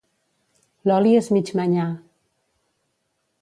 L'oli és mig manyà.